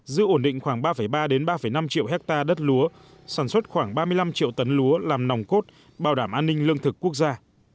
giữ ổn định khoảng ba ba năm triệu hectare đất lúa sản xuất khoảng ba mươi năm triệu tấn lúa làm nòng cốt bảo đảm an ninh lương thực quốc gia